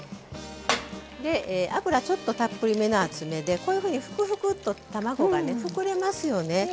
油ちょっとたっぷりめの熱めでこういうふうに、ふくふくと卵が膨れますよね。